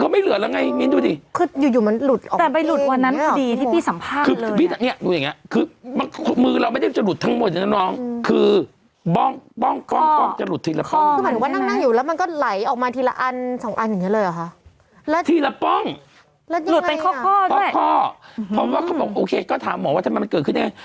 เพราะว่าเขาบอกโอเคก็ถามหมอว่าทำไมมันเกิดขึ้นเนี่ย